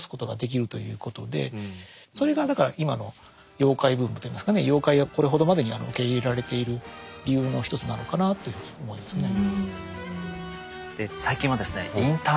まさにそれがだから今の妖怪ブームといいますかね妖怪がこれほどまでに受け入れられている理由の一つなのかなというふうに思いますね。